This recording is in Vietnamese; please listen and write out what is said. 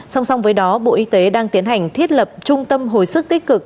song song với đó bộ y tế đang tiến hành thiết lập trung tâm hồi sức tích cực